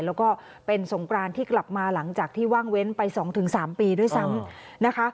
แล้วก็เป็นสงกรานที่กลับมาหลังจากที่ว่างเว้นไป๒๓ปีด้วยซ้ำนะคะ